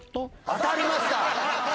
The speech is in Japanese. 当たりました。